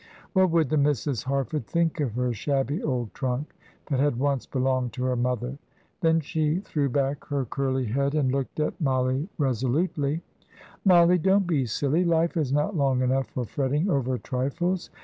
What would the Misses Harford think of her shabby old trunk, that had once belonged to her mother? Then she threw back her curly head and looked at Mollie resolutely. "Mollie, don't be silly. Life is not long enough for fretting over trifles.